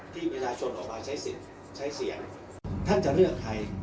ที่ประชาชนออกมาใช้สิทธิ์ใช้เสียงท่านจะเลือกใคร